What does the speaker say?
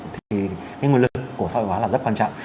thì cái nguồn lực của xã hội hóa là rất quan trọng